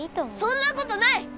そんなことない！